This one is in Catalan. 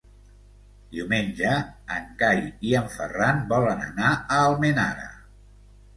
Diumenge en Cai i en Ferran volen anar a Almenara.